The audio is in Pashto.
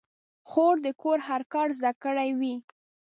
خور د کور هر کار زده کړی وي.